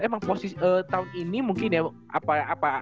emang posisi tahun ini mungkin ya